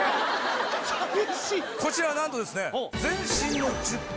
こちらはなんとですね。